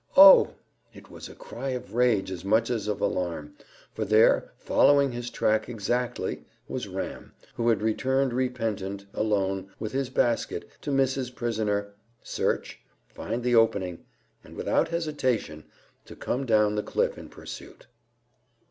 Oh!" It was a cry of rage as much as of alarm, for there, following his track exactly, was Ram, who had returned repentant, alone, with his basket, to miss his prisoner, search, find the opening, and without hesitation to come down the cliff in pursuit.